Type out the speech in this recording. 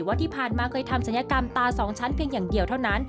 ว่าที่ผ่านมาเคยทำศัลยกรรมตาสองชั้นเพียงอย่างเดียวเท่านั้น